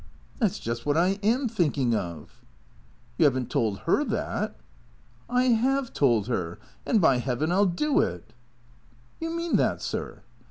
" That 's just what I am thinking of." "You 'ave n't told 'er that." " I have told her. And, by Heaven ! I '11 do it." " You mean that, sir